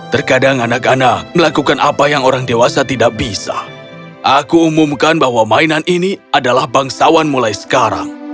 terkadang anak anak melakukan apa yang orang dewasa tidak bisa aku umumkan bahwa mainan ini adalah bangsawan mulai sekarang